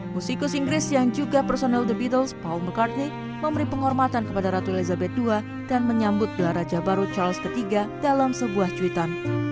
musikus inggris yang juga personal the bitles paul mcartney memberi penghormatan kepada ratu elizabeth ii dan menyambut gelar raja baru charles iii dalam sebuah cuitan